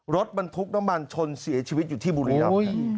รถบรรทุกน้ำมันชนเสียชีวิตอยู่ที่บุรีรำ